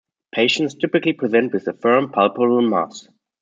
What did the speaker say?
Patients typically present with a firm, palpable mass.